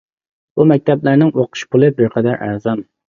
بۇ مەكتەپلەرنىڭ ئوقۇش پۇلى بىر قەدەر ئەرزان.